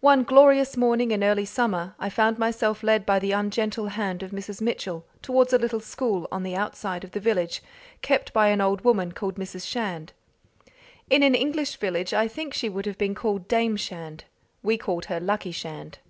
One glorious morning in early summer I found myself led by the ungentle hand of Mrs. Mitchell towards a little school on the outside of the village, kept by an old woman called Mrs. Shand. In an English village I think she would have been called Dame Shand: we called her Luckie Shand.